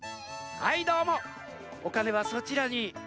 はいおかねはそちらに。